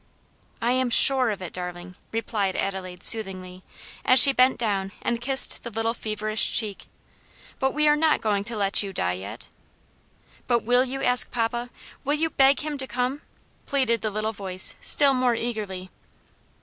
"I am sure of it, darling," replied Adelaide soothingly, as she bent down and kissed the little feverish cheek; "but we are not going to let you die yet." "But will you ask papa? will you beg him to come?" pleaded the little voice still more eagerly.